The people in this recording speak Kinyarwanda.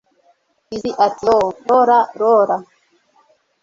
Lizzie ati Yoo Laura Laura